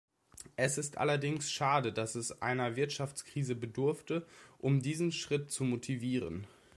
Es ist allerdings schade, dass es einer Wirtschaftskrise bedurfte, um diesen Schritt zu motivieren.